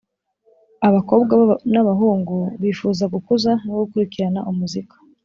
abakobwa n’abahungu bifuza gukuza no gukurikirana muzika